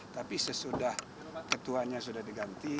tapi sesudah ketuanya sudah diganti